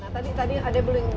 nah tadi ada yang belum